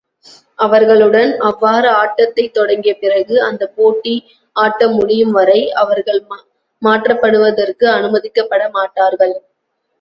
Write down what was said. அவர்களுடன் அவ்வாறு ஆட்டத்தைத் தொடங்கிய பிறகு, அந்தப் போட்டி ஆட்டம் முடியும் வரை அவர்கள் மாற்றப்படுவதற்கு அனுமதிக்கப்பட மாட்டார்கள்.